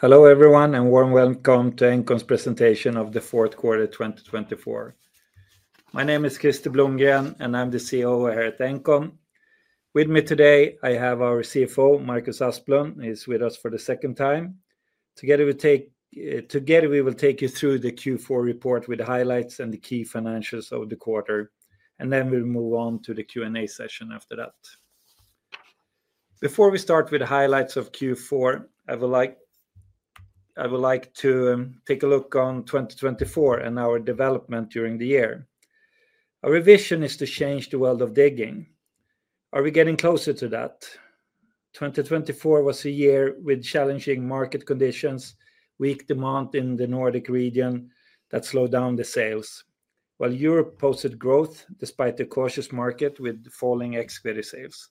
Hello everyone and warm welcome to Engcon's presentation of the fourth quarter 2024. My name is Krister Blomgren and I'm the CEO here at Engcon. With me today, I have our CFO, Marcus Asplund, who is with us for the second time. Together we will take you through the Q4 report with the highlights and the key financials of the quarter, and then we'll move on to the Q&A session after that. Before we start with the highlights of Q4, I would like to take a look on 2024 and our development during the year. Our vision is to change the world of digging. Are we getting closer to that? 2024 was a year with challenging market conditions, weak demand in the Nordic region that slowed down the sales, while Europe posted growth despite a cautious market with falling excavator sales.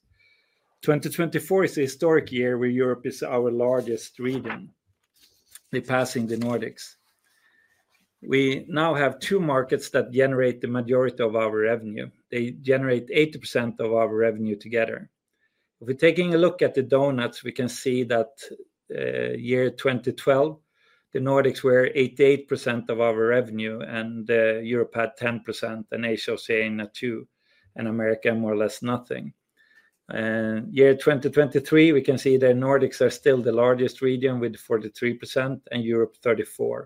2024 is a historic year where Europe is our largest region, surpassing the Nordics. We now have two markets that generate the majority of our revenue. They generate 80% of our revenue together. If we're taking a look at the donuts, we can see that year 2012, the Nordics were 88% of our revenue, and Europe had 10%, and Asia was saying that too, and America more or less nothing. Year 2023, we can see that Nordics are still the largest region with 43% and Europe 34%,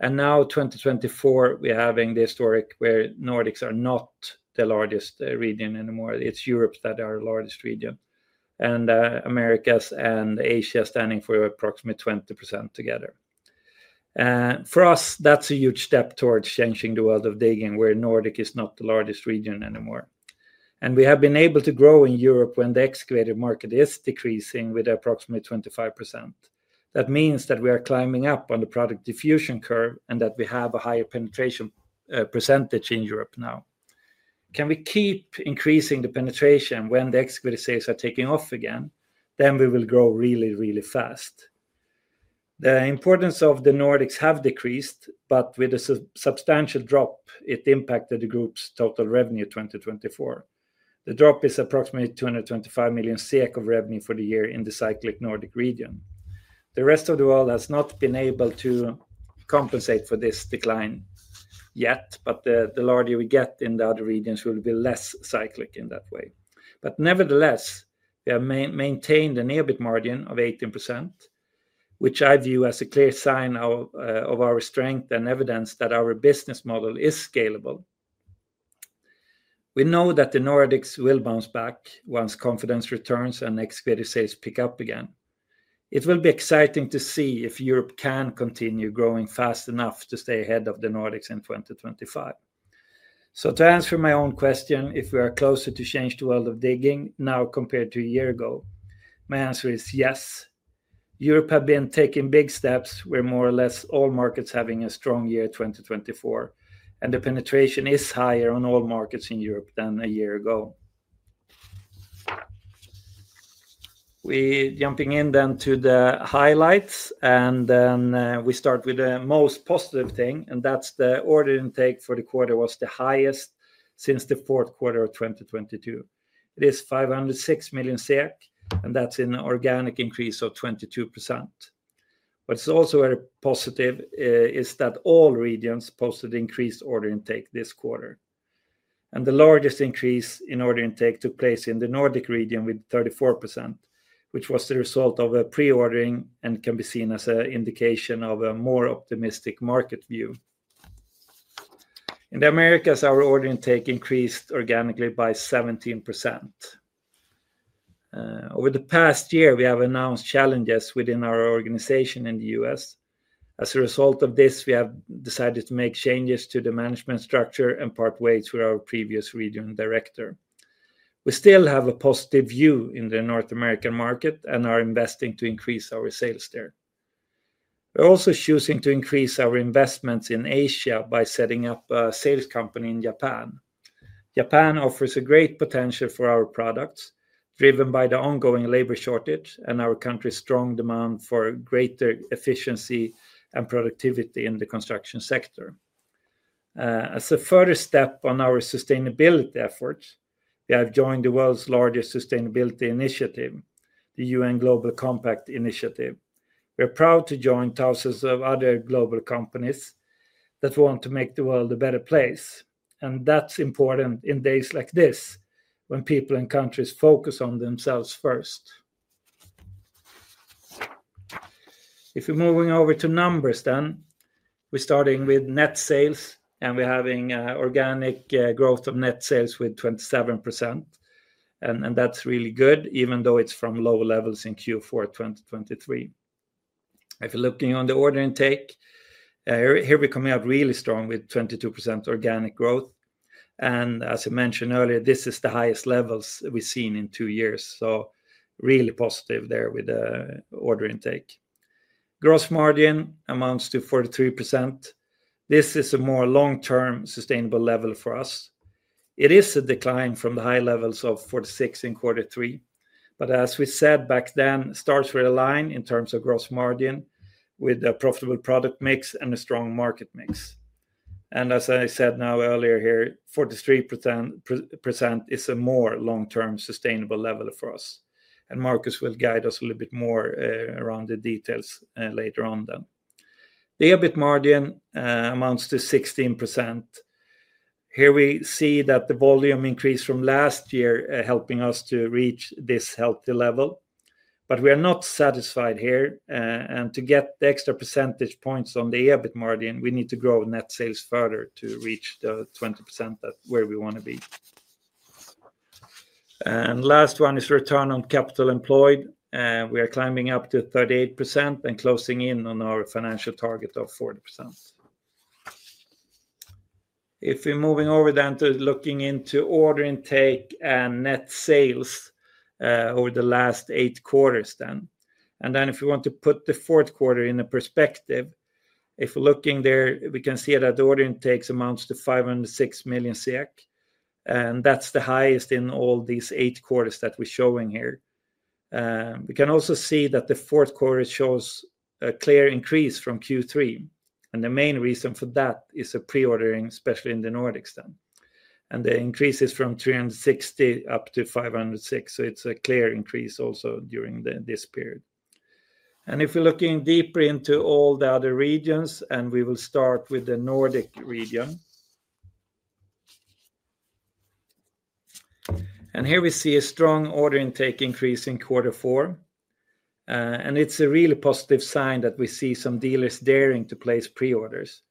and now 2024, we're having the historic where Nordics are not the largest region anymore. It's Europe that is our largest region, and America and Asia are standing for approximately 20% together. For us, that's a huge step towards changing the world of digging, where Nordic is not the largest region anymore. We have been able to grow in Europe when the excavator market is decreasing with approximately 25%. That means that we are climbing up on the product diffusion curve and that we have a higher penetration percentage in Europe now. Can we keep increasing the penetration when the excavator sales are taking off again? Then we will grow really, really fast. The importance of the Nordics has decreased, but with a substantial drop, it impacted the group's total revenue in 2024. The drop is approximately 225 million SEK of revenue for the year in the cyclical Nordic region. The rest of the world has not been able to compensate for this decline yet, but the larger we get in the other regions, we'll be less cyclical in that way. But nevertheless, we have maintained an EBIT margin of 18%, which I view as a clear sign of our strength and evidence that our business model is scalable. We know that the Nordics will bounce back once confidence returns and excavator sales pick up again. It will be exciting to see if Europe can continue growing fast enough to stay ahead of the Nordics in 2025. So to answer my own question, if we are closer to change the world of digging now compared to a year ago, my answer is yes. Europe has been taking big steps. We're more or less all markets having a strong year 2024, and the penetration is higher on all markets in Europe than a year ago. We're jumping in then to the highlights, and then we start with the most positive thing, and that's the order intake for the quarter was the highest since the fourth quarter of 2022. It is 506 million SEK, and that's an organic increase of 22%. What's also very positive is that all regions posted increased order intake this quarter. And the largest increase in order intake took place in the Nordic region with 34%, which was the result of a pre-ordering and can be seen as an indication of a more optimistic market view. In the Americas, our order intake increased organically by 17%. Over the past year, we have announced challenges within our organization in the U.S. As a result of this, we have decided to make changes to the management structure and part ways with our previous region director. We still have a positive view in the North American market and are investing to increase our sales there. We're also choosing to increase our investments in Asia by setting up a sales company in Japan. Japan offers a great potential for our products, driven by the ongoing labor shortage and Japan's strong demand for greater efficiency and productivity in the construction sector. As a further step on our sustainability efforts, we have joined the world's largest sustainability initiative, the UN Global Compact. We're proud to join thousands of other global companies that want to make the world a better place, and that's important in days like this, when people and countries focus on themselves first. If we're moving over to numbers then, we're starting with net sales, and we're having organic growth of net sales with 27%. That's really good, even though it's from low levels in Q4 2023. If you're looking on the order intake, here we come out really strong with 22% organic growth. And as I mentioned earlier, this is the highest levels we've seen in two years. So really positive there with the order intake. Gross margin amounts to 43%. This is a more long-term sustainable level for us. It is a decline from the high levels of 46% in quarter three, but as we said back then, stays in line in terms of gross margin with a profitable product mix and a strong market mix. And as I said now earlier here, 43% is a more long-term sustainable level for us. And Marcus will guide us a little bit more around the details later on then. The EBIT margin amounts to 16%. Here we see that the volume increased from last year, helping us to reach this healthy level, but we are not satisfied here. To get the extra percentage points on the EBIT margin, we need to grow net sales further to reach the 20% where we want to be, and last one is return on capital employed. We are climbing up to 38% and closing in on our financial target of 40%. If we're moving over then to looking into order intake and net sales over the last eight quarters, then if we want to put the fourth quarter in perspective, if we're looking there, we can see that the order intake amounts to 506 million SEK. That's the highest in all these eight quarters that we're showing here. We can also see that the fourth quarter shows a clear increase from Q3. And the main reason for that is pre-ordering, especially in the Nordics then. And the increase is from 360 up to 506. So it's a clear increase also during this period. And if we're looking deeper into all the other regions, and we will start with the Nordic region. And here we see a strong order intake increase in quarter four. And it's a really positive sign that we see some dealers daring to place pre-orders.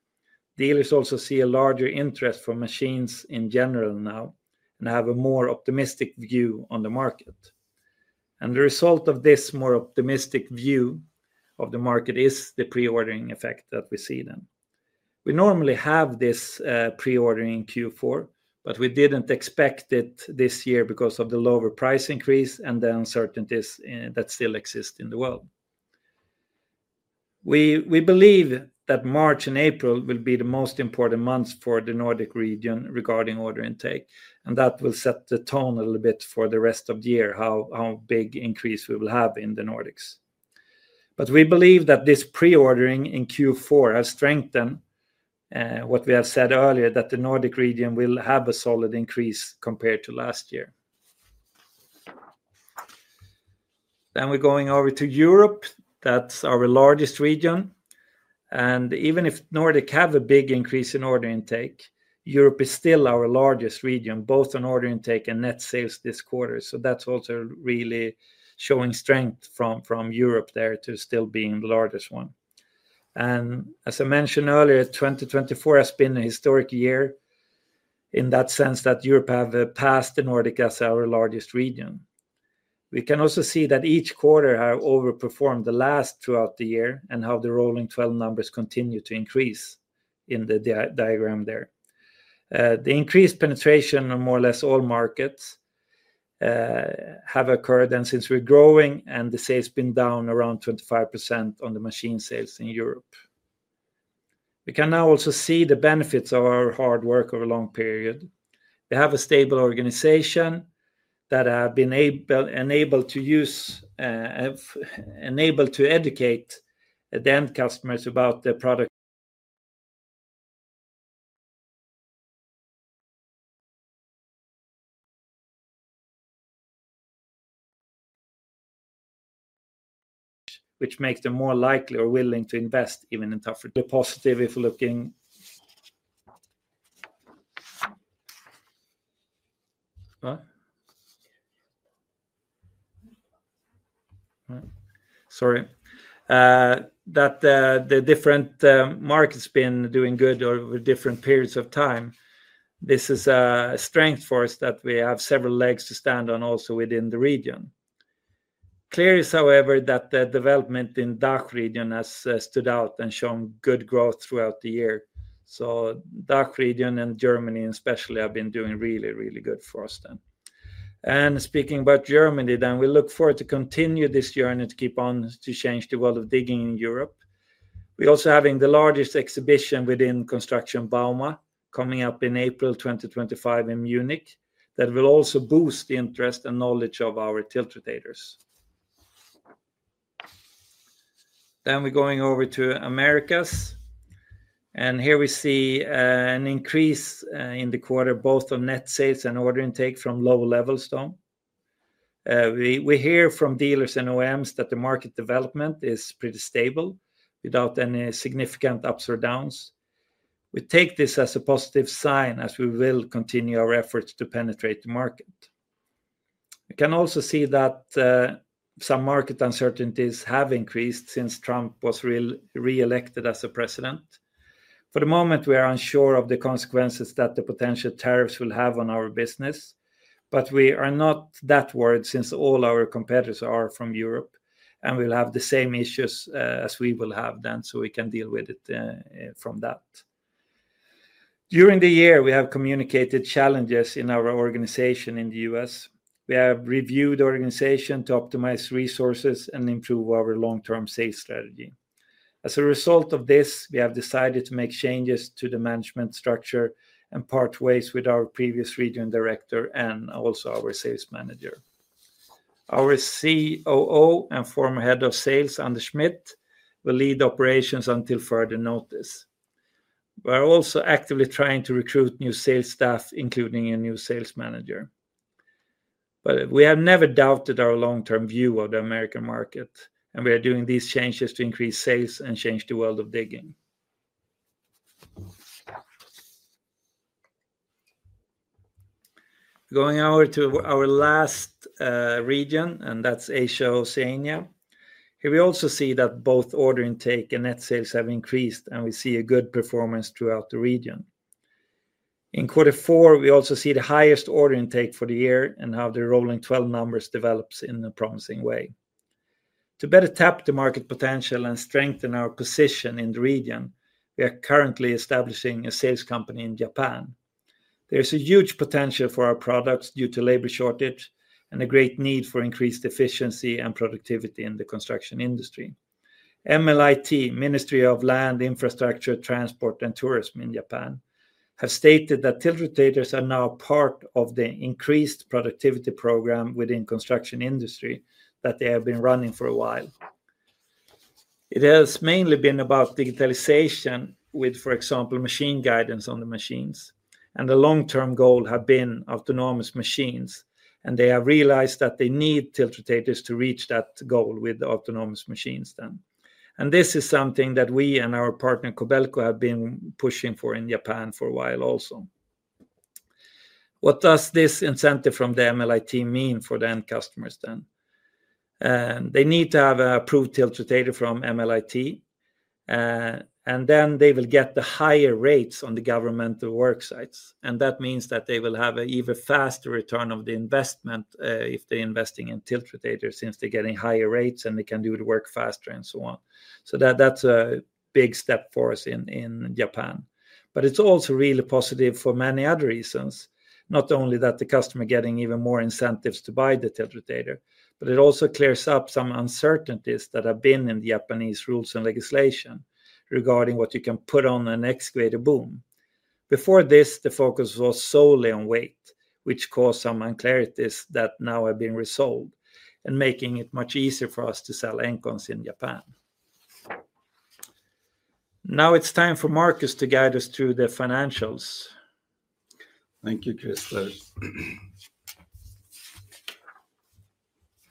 Dealers also see a larger interest for machines in general now and have a more optimistic view on the market. And the result of this more optimistic view of the market is the pre-ordering effect that we see then. We normally have this pre-ordering in Q4, but we didn't expect it this year because of the lower price increase and the uncertainties that still exist in the world. We believe that March and April will be the most important months for the Nordic region regarding order intake. And that will set the tone a little bit for the rest of the year, how big increase we will have in the Nordics. But we believe that this pre-ordering in Q4 has strengthened what we have said earlier, that the Nordic region will have a solid increase compared to last year. Then we're going over to Europe. That's our largest region. And even if Nordic have a big increase in order intake, Europe is still our largest region, both on order intake and net sales this quarter. So that's also really showing strength from Europe there to still being the largest one. And as I mentioned earlier, 2024 has been a historic year in that sense that Europe have passed the Nordic as our largest region. We can also see that each quarter have overperformed the last throughout the year and how the rolling 12 numbers continue to increase in the diagram there. The increased penetration on more or less all markets have occurred then since we're growing and the sales been down around 25% on the machine sales in Europe. We can now also see the benefits of our hard work over a long period. We have a stable organization that have been able to educate the end customers about the product. Which makes them more likely or willing to invest even in tougher. That the different markets been doing good over different periods of time. This is a strength for us that we have several legs to stand on also within the region. is clear, however, that the development in DACH region has stood out and shown good growth throughout the year, so DACH region and Germany especially have been doing really, really good for us then, and speaking about Germany then, we look forward to continue this journey to keep on to change the world of digging in Europe. We also having the largest exhibition within construction, Bauma, coming up in April 2025 in Munich that will also boost the interest and knowledge of our tiltrotators, then we're going over to Americas, and here we see an increase in the quarter, both on net sales and order intake from low levels though. We hear from dealers and OEMs that the market development is pretty stable without any significant ups or downs. We take this as a positive sign as we will continue our efforts to penetrate the market. We can also see that some market uncertainties have increased since Trump was re-elected as a president. For the moment, we are unsure of the consequences that the potential tariffs will have on our business, but we are not that worried since all our competitors are from Europe and we'll have the same issues as we will have then, so we can deal with it from that. During the year, we have communicated challenges in our organization in the U.S. We have reviewed the organization to optimize resources and improve our long-term sales strategy. As a result of this, we have decided to make changes to the management structure and part ways with our previous region director and also our sales manager. Our COO and former head of sales, Anders Smith, will lead operations until further notice. We're also actively trying to recruit new sales staff, including a new sales manager. But we have never doubted our long-term view of the American market, and we are doing these changes to increase sales and change the world of digging. Going over to our last region, and that's Asia Oceania. Here we also see that both order intake and net sales have increased, and we see a good performance throughout the region. In quarter four, we also see the highest order intake for the year and how the Rolling 12 numbers develop in a promising way. To better tap the market potential and strengthen our position in the region, we are currently establishing a sales company in Japan. There is a huge potential for our products due to labor shortage and a great need for increased efficiency and productivity in the construction industry. MLIT, Ministry of Land, Infrastructure, Transport, and Tourism in Japan, have stated that tiltrotators are now part of the increased productivity program within the construction industry that they have been running for a while. It has mainly been about digitalization with, for example, machine guidance on the machines. The long-term goal has been autonomous machines, and they have realized that they need tiltrotators to reach that goal with autonomous machines then. This is something that we and our partner Kobelco have been pushing for in Japan for a while also. What does this incentive from the MLIT mean for the end customers then? They need to have an approved tiltrotator from MLIT, and then they will get the higher rates on the governmental worksites. That means that they will have an even faster return of the investment if they're investing in tiltrotators since they're getting higher rates and they can do the work faster and so on. That's a big step for us in Japan. It's also really positive for many other reasons. Not only that the customer is getting even more incentives to buy the tiltrotator, but it also clears up some uncertainties that have been in the Japanese rules and legislation regarding what you can put on an excavator boom. Before this, the focus was solely on weight, which caused some uncertainties that now have been resolved and making it much easier for us to sell Engcons in Japan. Now it's time for Marcus to guide us through the financials. Thank you, Krister.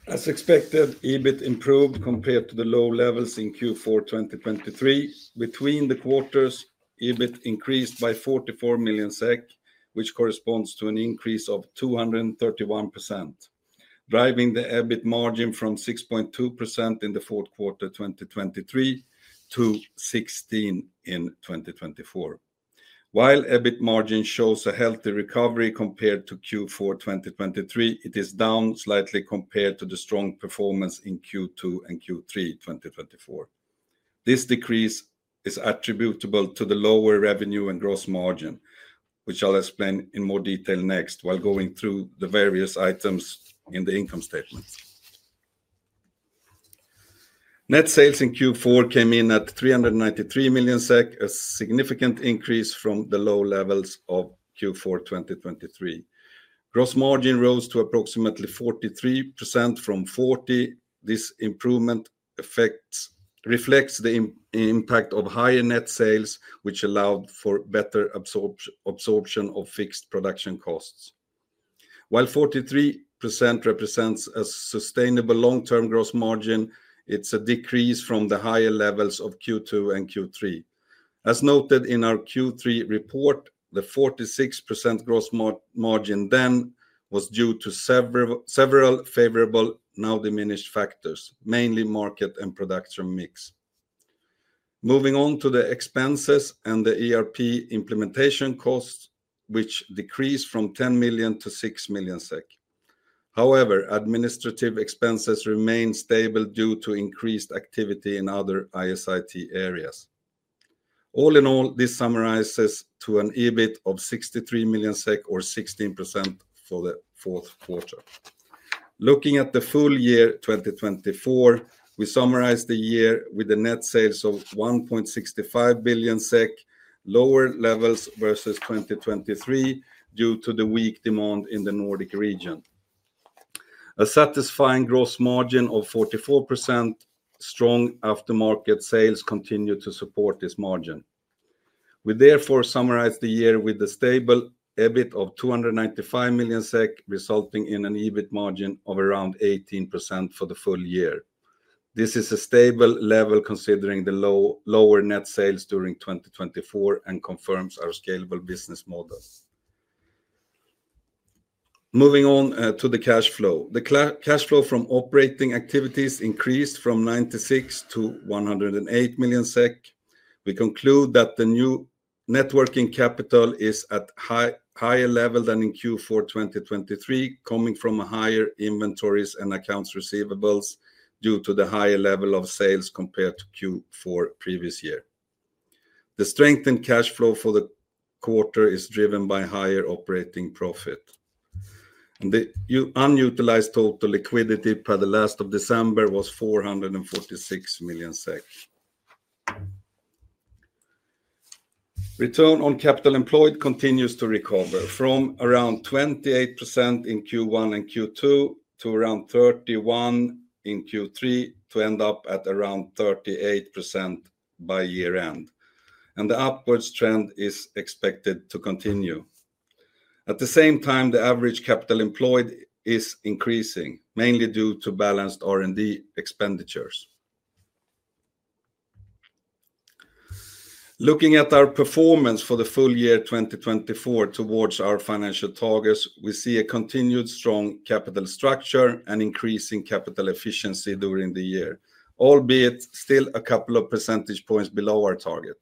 As expected, EBIT improved compared to the low levels in Q4 2023. Between the quarters, EBIT increased by 44 million SEK, which corresponds to an increase of 231%, driving the EBIT margin from 6.2% in the fourth quarter 2023 to 16% in 2024. While EBIT margin shows a healthy recovery compared to Q4 2023, it is down slightly compared to the strong performance in Q2 and Q3 2024. This decrease is attributable to the lower revenue and gross margin, which I'll explain in more detail next while going through the various items in the income statement. Net sales in Q4 came in at 393 million SEK, a significant increase from the low levels of Q4 2023. Gross margin rose to approximately 43% from 40%. This improvement reflects the impact of higher net sales, which allowed for better absorption of fixed production costs. While 43% represents a sustainable long-term gross margin, it's a decrease from the higher levels of Q2 and Q3. As noted in our Q3 report, the 46% gross margin then was due to several favorable, now diminished factors, mainly market and production mix. Moving on to the expenses and the ERP implementation costs, which decreased from 10-6 million SEK. However, administrative expenses remain stable due to increased activity in other IS/IT areas. All in all, this summarizes to an EBIT of 63 million SEK or 16% for the fourth quarter. Looking at the full year 2024, we summarize the year with a net sales of 1.65 billion SEK, lower levels versus 2023 due to the weak demand in the Nordic region. A satisfying gross margin of 44%, strong aftermarket sales continue to support this margin. We therefore summarize the year with a stable EBIT of 295 million SEK, resulting in an EBIT margin of around 18% for the full year. This is a stable level considering the lower net sales during 2024 and confirms our scalable business model. Moving on to the cash flow. The cash flow from operating activities increased from 96-108 million SEK. We conclude that the net working capital is at a higher level than in Q4 2023, coming from higher inventories and accounts receivable due to the higher level of sales compared to Q4 previous year. The strengthened cash flow for the quarter is driven by higher operating profit, and the unutilized total liquidity by the end of December was 446 million SEK. Return on capital employed continues to recover from around 28% in Q1 and Q2 to around 31% in Q3 to end up at around 38% by year-end, and the upwards trend is expected to continue. At the same time, the average capital employed is increasing, mainly due to balanced R&D expenditures. Looking at our performance for the full year 2024 towards our financial targets, we see a continued strong capital structure and increasing capital efficiency during the year, albeit still a couple of percentage points below our target.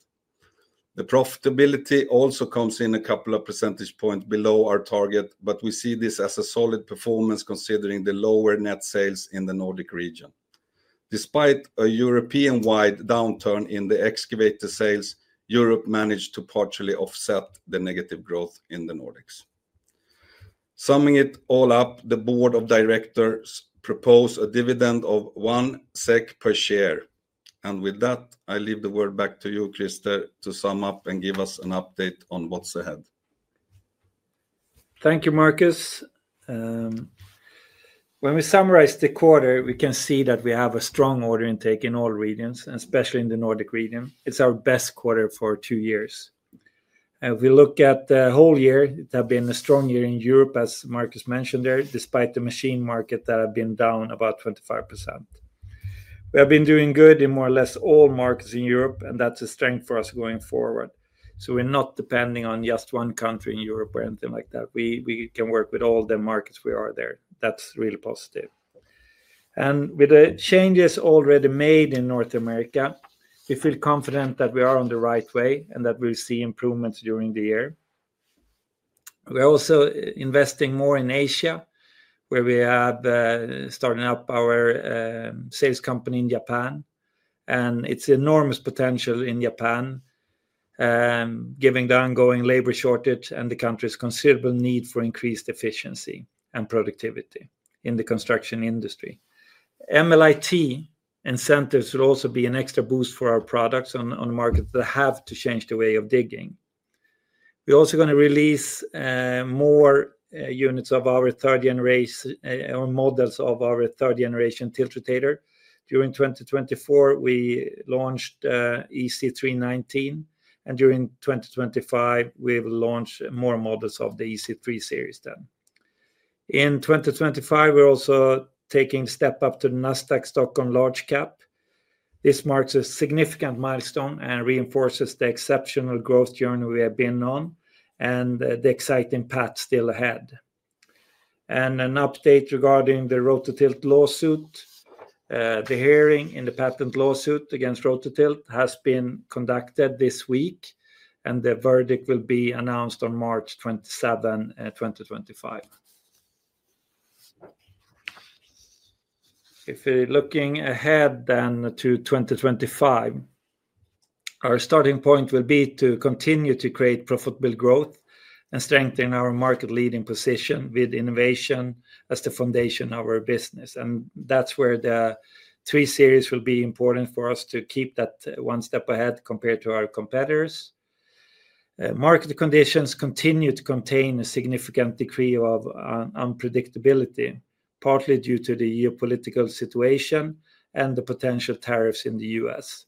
The profitability also comes in a couple of percentage points below our target, but we see this as a solid performance considering the lower net sales in the Nordic region. Despite a European-wide downturn in the excavator sales, Europe managed to partially offset the negative growth in the Nordics. Summing it all up, the board of directors proposed a dividend of 1 SEK per share. And with that, I leave the word back to you, Krister, to sum up and give us an update on what's ahead. Thank you, Marcus. When we summarize the quarter, we can see that we have a strong order intake in all regions, especially in the Nordic region. It's our best quarter for two years. If we look at the whole year, it has been a strong year in Europe, as Marcus mentioned there, despite the machine market that has been down about 25%. We have been doing good in more or less all markets in Europe, and that's a strength for us going forward. So we're not depending on just one country in Europe or anything like that. We can work with all the markets we are there. That's really positive. And with the changes already made in North America, we feel confident that we are on the right way and that we'll see improvements during the year. We're also investing more in Asia, where we have started up our sales company in Japan. And it's enormous potential in Japan, given the ongoing labor shortage and the country's considerable need for increased efficiency and productivity in the construction industry. MLIT incentives will also be an extra boost for our products on the market that have to change the way of digging. We're also going to release more units of our third generation or models of our third generation tiltrotator. During 2024, we launched EC319, and during 2025, we will launch more models of the EC3 series then. In 2025, we're also taking a step up to the Nasdaq Stockholm Large Cap. This marks a significant milestone and reinforces the exceptional growth journey we have been on and the exciting path still ahead. And an update regarding the Rototilt lawsuit. The hearing in the patent lawsuit against Rototilt has been conducted this week, and the verdict will be announced on March 27, 2025. If we're looking ahead then to 2025, our starting point will be to continue to create profitable growth and strengthen our market-leading position with innovation as the foundation of our business. And that's where the three series will be important for us to keep that one step ahead compared to our competitors. Market conditions continue to contain a significant degree of unpredictability, partly due to the geopolitical situation and the potential tariffs in the U.S.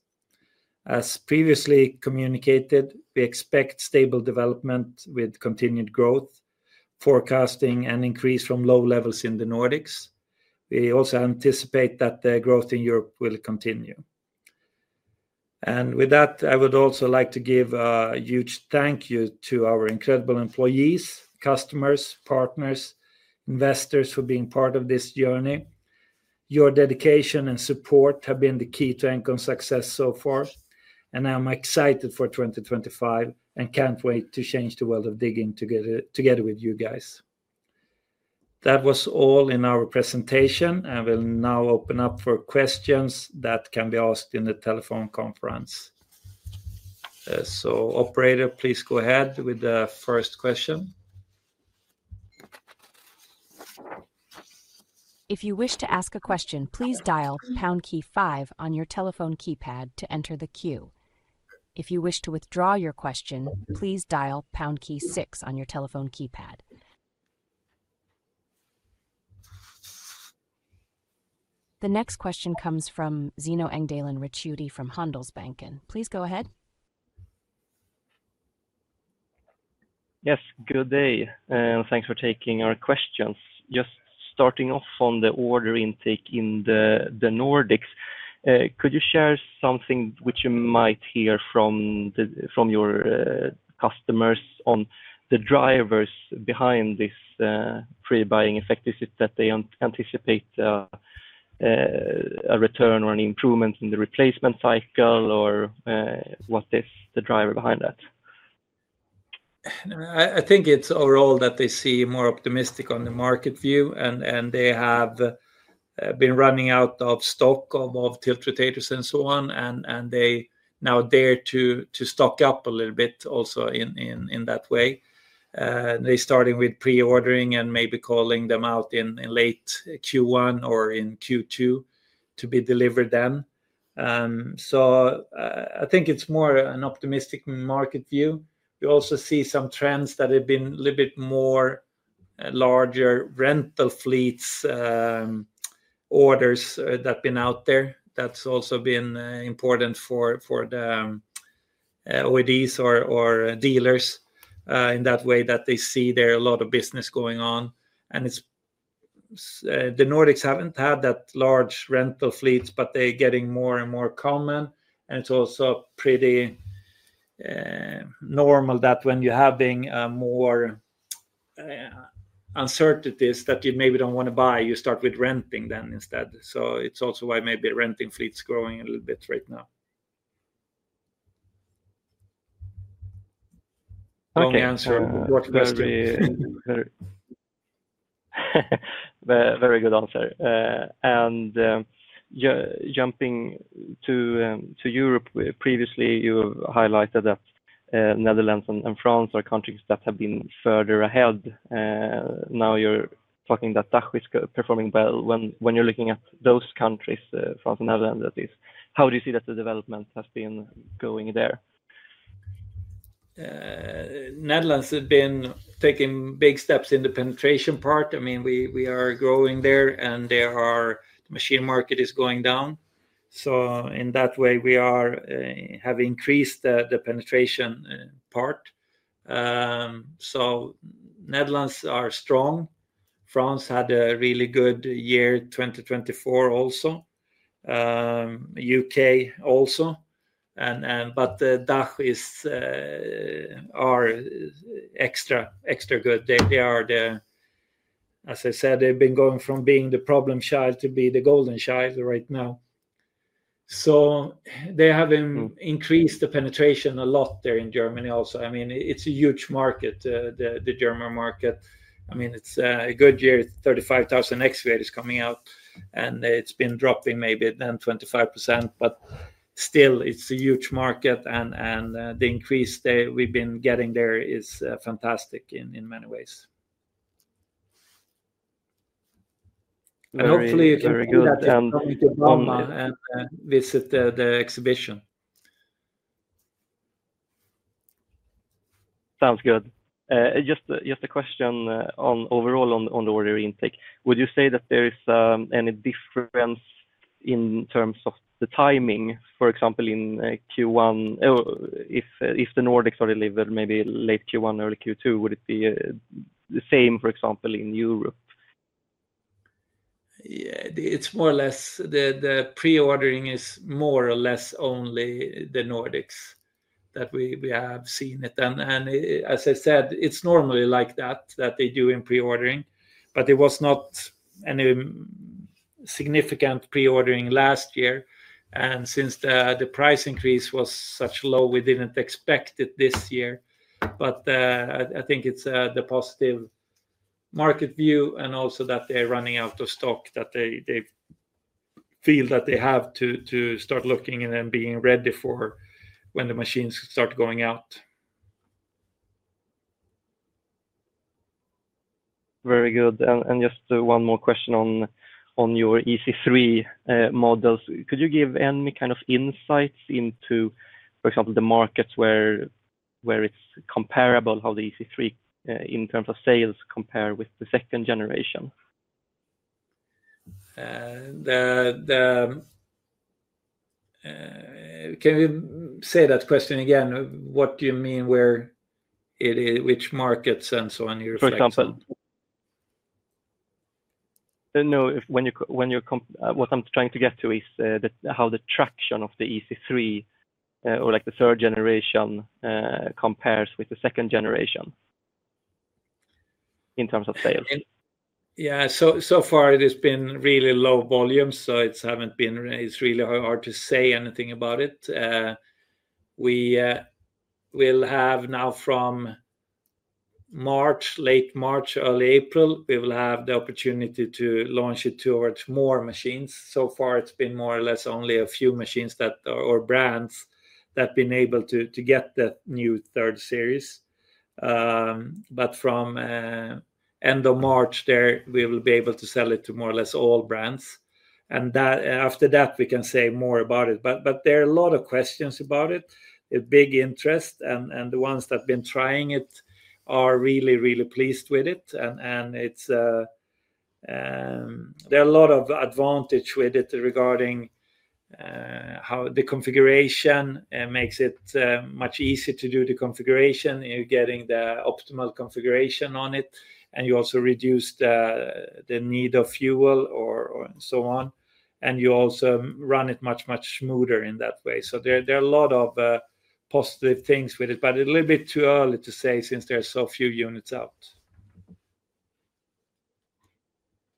As previously communicated, we expect stable development with continued growth, forecasting an increase from low levels in the Nordics. We also anticipate that the growth in Europe will continue. And with that, I would also like to give a huge thank you to our incredible employees, customers, partners, investors for being part of this journey. Your dedication and support have been the key to Engcon's success so far, and I'm excited for 2025 and can't wait to change the world of digging together with you guys. That was all in our presentation, and we'll now open up for questions that can be asked in the telephone conference. So, Operator, please go ahead with the first question. If you wish to ask a question, please dial pound key five on your telephone keypad to enter the queue. If you wish to withdraw your question, please dial pound key six on your telephone keypad. The next question comes from Zino Engdalen Ricciuti from Handelsbanken. Please go ahead. Yes, good day. Thanks for taking our questions. Just starting off on the order intake in the Nordics, could you share something which you might hear from your customers on the drivers behind this pre-buying effect? Is it that they anticipate a return or an improvement in the replacement cycle, or what is the driver behind that? I think it's overall that they see more optimistic on the market view, and they have been running out of stock of tiltrotators and so on, and they now dare to stock up a little bit also in that way. They're starting with pre-ordering and maybe calling them out in late Q1 or in Q2 to be delivered then. So I think it's more an optimistic market view. We also see some trends that have been a little bit more larger rental fleets orders that have been out there. That's also been important for the OEMs or dealers in that way that they see there are a lot of business going on, and the Nordics haven't had that large rental fleets, but they're getting more and more common. And it's also pretty normal that when you're having more uncertainties, that you maybe don't want to buy, you start with renting then instead. So it's also why maybe renting fleets are growing a little bit right now. Long answer to your question. Very good answer. And jumping to Europe, previously you highlighted that Netherlands and France are countries that have been further ahead. Now you're talking that Dutch is performing well. When you're looking at those countries, France and Netherlands, how do you see that the development has been going there? Netherlands has been taking big steps in the penetration part. I mean, we are growing there and the machine market is going down. So in that way, we have increased the penetration part. So Netherlands are strong. France had a really good year 2024 also. U.K. also. But Dutch are extra good. They are, as I said, they've been going from being the problem child to be the golden child right now. So they have increased the penetration a lot there in Germany also. I mean, it's a huge market, the German market. I mean, it's a good year. 35,000 excavators are coming out and it's been dropping maybe then 25%, but still it's a huge market and the increase we've been getting there is fantastic in many ways. And hopefully you can come and visit the exhibition. Sounds good. Just a question overall on the order intake. Would you say that there is any difference in terms of the timing, for example, in Q1? If the Nordics are delivered maybe late Q1, early Q2, would it be the same, for example, in Europe? It's more or less the pre-ordering is more or less only the Nordics that we have seen it. And as I said, it's normally like that, that they do in pre-ordering. But there was not any significant pre-ordering last year. And since the price increase was such low, we didn't expect it this year. But I think it's the positive market view and also that they're running out of stock that they feel that they have to start looking and then being ready for when the machines start going out. Very good. And just one more question on your EC3 models. Could you give any kind of insights into, for example, the markets where it's comparable, how the EC3 in terms of sales compare with the second generation? Can you say that question again? What do you mean where it is, which markets and so on in your sales? For example. No, what I'm trying to get to is how the traction of the EC3 or the third generation compares with the second generation in terms of sales. Yeah, so far it has been really low volume, so it's really hard to say anything about it. We will have now from March, late March, early April, we will have the opportunity to launch it towards more machines. So far it's been more or less only a few machines or brands that have been able to get the new third series. But from end of March there, we will be able to sell it to more or less all brands. And after that, we can say more about it. But there are a lot of questions about it, a big interest, and the ones that have been trying it are really, really pleased with it. There are a lot of advantages with it regarding how the configuration makes it much easier to do the configuration, getting the optimal configuration on it, and you also reduce the need of fuel or so on. And you also run it much, much smoother in that way. There are a lot of positive things with it, but a little bit too early to say since there are so few units out.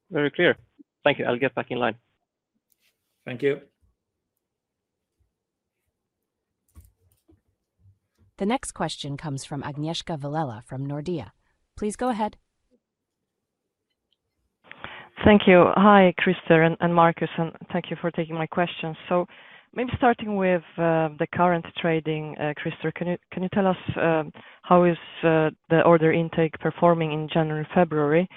Very clear. Thank you. I'll get back in line. Thank you. The next question comes from Agnieszka Vilela from Nordea. Please go ahead. Thank you. Hi, Krister and Marcus, and thank you for taking my questions. Maybe starting with the current trading, Krister, can you tell us how is the order intake performing in January and February?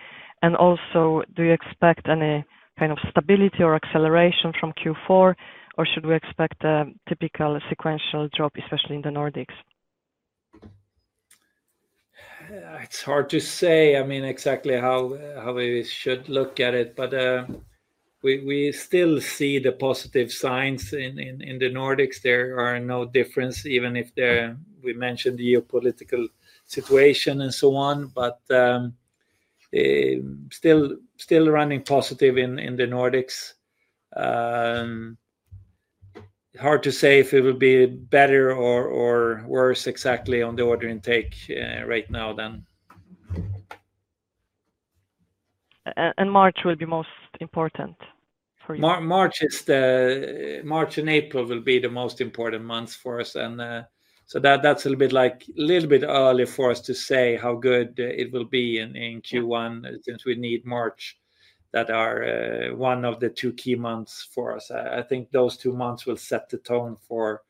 And also, do you expect any kind of stability or acceleration from Q4, or should we expect a typical sequential drop, especially in the Nordics? It's hard to say, I mean, exactly how we should look at it, but we still see the positive signs in the Nordics. There are no differences, even if we mentioned the geopolitical situation and so on, but still running positive in the Nordics. Hard to say if it will be better or worse exactly on the order intake right now then. March will be most important for you. March and April will be the most important months for us. That's a little bit early for us to say how good it will be in Q1 since we need March that are one of the two key months for us. I think those two months will set the tone for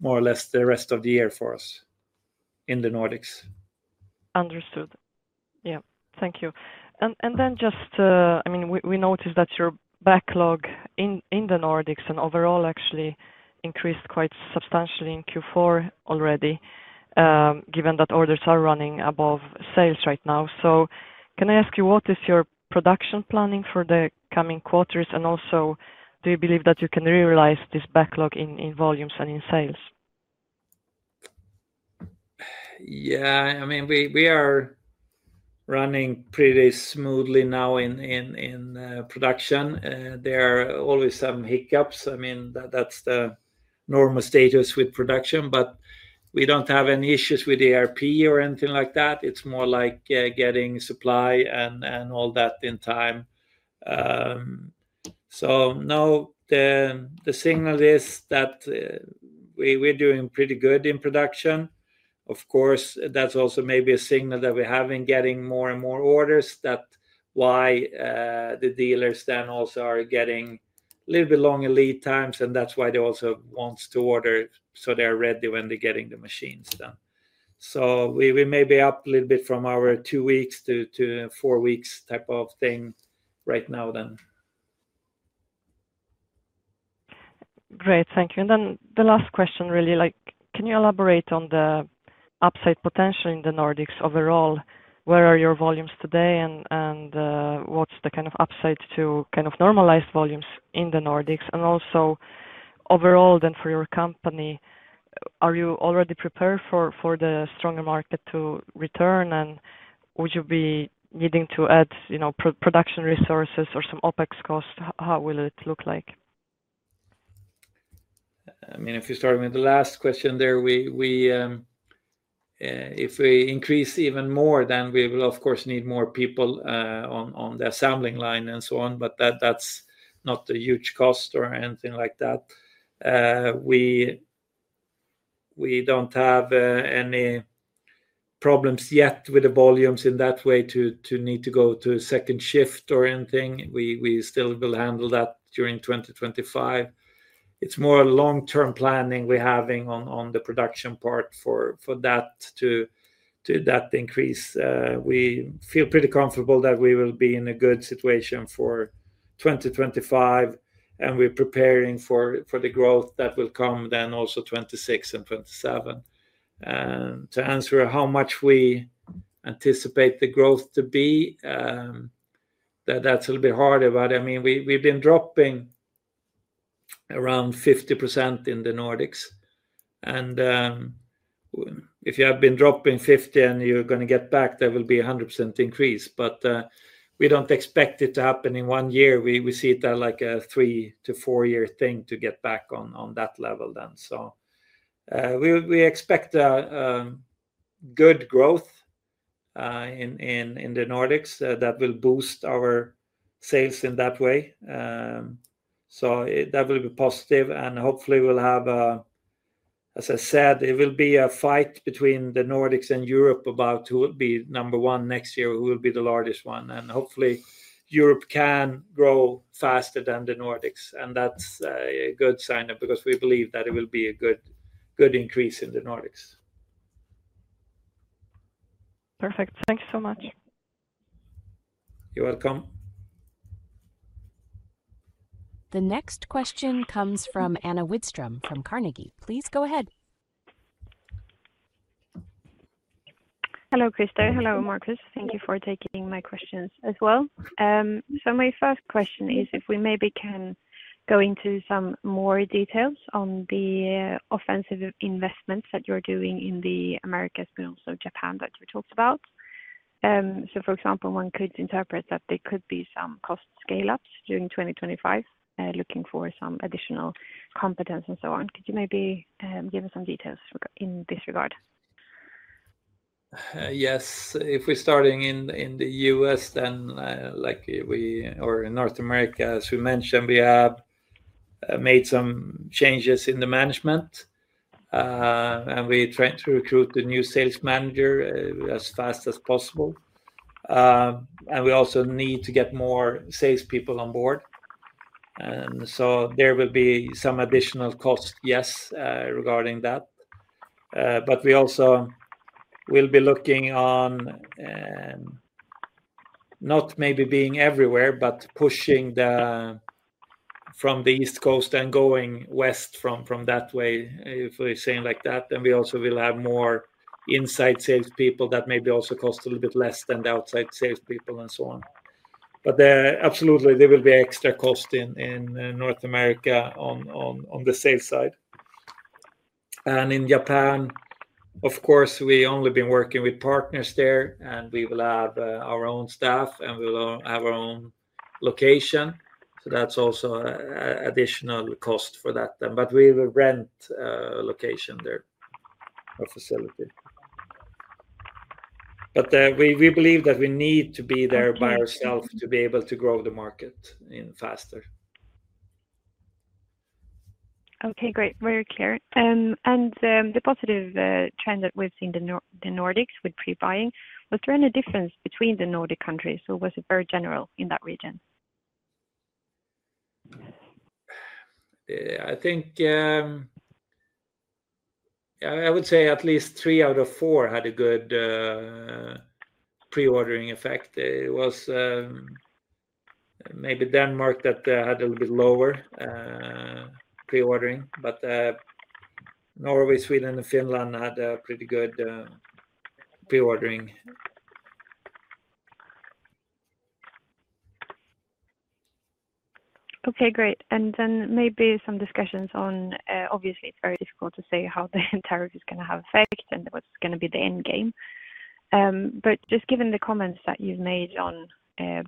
more or less the rest of the year for us in the Nordics. Understood. Yeah. Thank you. And then just, I mean, we noticed that your backlog in the Nordics and overall actually increased quite substantially in Q4 already, given that orders are running above sales right now. So can I ask you, what is your production planning for the coming quarters? And also, do you believe that you can realize this backlog in volumes and in sales? Yeah. I mean, we are running pretty smoothly now in production. There are always some hiccups. I mean, that's the normal status with production, but we don't have any issues with ERP or anything like that. It's more like getting supply and all that in time. So no, the signal is that we're doing pretty good in production. Of course, that's also maybe a signal that we're getting more and more orders. That's why the dealers then also are getting a little bit longer lead times, and that's why they also want to order so they're ready when they're getting the machines done. So we may be up a little bit from our two weeks to four weeks type of thing right now then. Great. Thank you. And then the last question really, can you elaborate on the upside potential in the Nordics overall? Where are your volumes today and what's the kind of upside to kind of normalized volumes in the Nordics? And also overall then for your company, are you already prepared for the stronger market to return, and would you be needing to add production resources or some OpEx cost? How will it look like? I mean, if you start with the last question there, if we increase even more, then we will, of course, need more people on the assembling line and so on, but that's not a huge cost or anything like that. We don't have any problems yet with the volumes in that way to need to go to second shift or anything. We still will handle that during 2025. It's more long-term planning we're having on the production part for that to increase. We feel pretty comfortable that we will be in a good situation for 2025, and we're preparing for the growth that will come then also 2026 and 2027. To answer how much we anticipate the growth to be, that's a little bit harder, but I mean, we've been dropping around 50% in the Nordics. And if you have been dropping 50 and you're going to get back, there will be a 100% increase. But we don't expect it to happen in one year. We see it as like a three- to four-year thing to get back on that level then. So we expect good growth in the Nordics that will boost our sales in that way. So that will be positive. And hopefully we'll have, as I said, it will be a fight between the Nordics and Europe about who will be number one next year, who will be the largest one. And hopefully Europe can grow faster than the Nordics. And that's a good sign because we believe that it will be a good increase in the Nordics. Perfect. Thanks so much. You're welcome. The next question comes from Anna Widström from Carnegie. Please go ahead. Hello, Krister. Hello, Marcus. Thank you for taking my questions as well. So my first question is if we maybe can go into some more details on the offensive investments that you're doing in the Americas, but also Japan that you talked about. So for example, one could interpret that there could be some cost scale-ups during 2025, looking for some additional competence and so on. Could you maybe give us some details in this regard? Yes. If we're starting in the U.S., then like we or North America, as we mentioned, we have made some changes in the management, and we're trying to recruit the new sales manager as fast as possible. And we also need to get more salespeople on board. And so there will be some additional cost, yes, regarding that. But we also will be looking on not maybe being everywhere, but pushing from the East Coast and going west from that way, if we're saying like that. And we also will have more inside salespeople that maybe also cost a little bit less than the outside salespeople and so on. But absolutely, there will be extra cost in North America on the sales side. And in Japan, of course, we've only been working with partners there, and we will have our own staff, and we will have our own location. So that's also an additional cost for that then. But we will rent a location there, a facility. But we believe that we need to be there by ourselves to be able to grow the market faster. Okay. Great. Very clear. And the positive trend that we've seen in the Nordics with pre-ordering, was there any difference between the Nordic countries? Or was it very general in that region? I think I would say at least three out of four had a good pre-ordering effect. It was maybe Denmark that had a little bit lower pre-ordering, but Norway, Sweden, and Finland had a pretty good pre-ordering. Okay. Great. And then maybe some discussions on, obviously, it's very difficult to say how the tariff is going to have effect and what's going to be the end game. But just given the comments that you've made on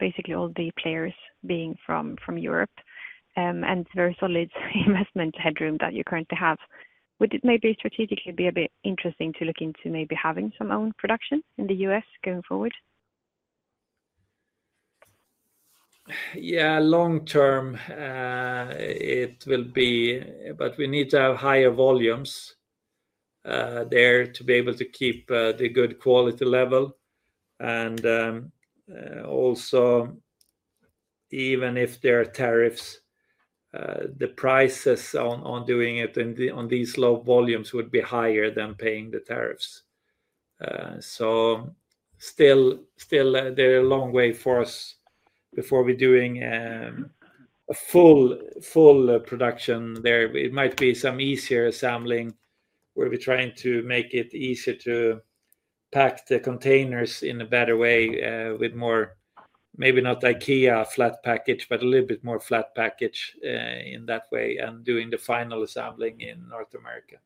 basically all the players being from Europe and very solid investment headroom that you currently have, would it maybe strategically be a bit interesting to look into maybe having some own production in the U.S. going forward? Yeah. Long term, it will be, but we need to have higher volumes there to be able to keep the good quality level. And also, even if there are tariffs, the prices on doing it on these low volumes would be higher than paying the tariffs. So still, there is a long way for us before we're doing a full production there. It might be some easier assembling where we're trying to make it easier to pack the containers in a better way with more maybe not IKEA flat package, but a little bit more flat package in that way and doing the final assembling in North America.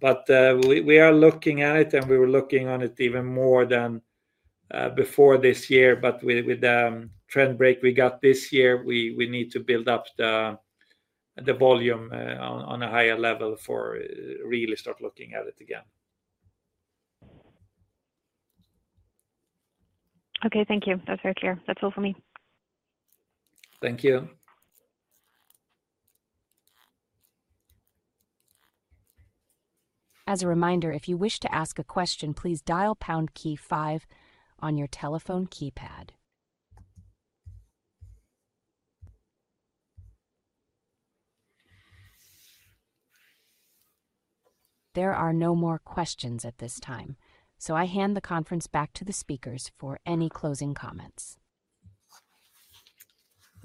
But we are looking at it, and we were looking on it even more than before this year. But with the trend break we got this year, we need to build up the volume on a higher level for really start looking at it again. Okay. Thank you. That's very clear. That's all for me. Thank you. As a reminder, if you wish to ask a question, please dial Pound Key 5 on your telephone keypad. There are no more questions at this time, so I hand the conference back to the speakers for any closing comments.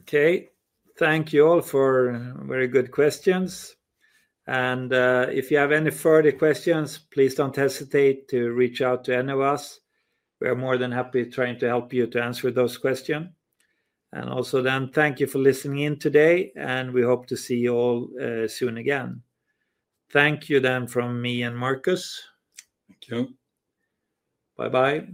Okay. Thank you all for very good questions. And if you have any further questions, please don't hesitate to reach out to any of us. We are more than happy trying to help you to answer those questions. And also then, thank you for listening in today, and we hope to see you all soon again. Thank you then from me and Marcus. Thank you. Bye-bye.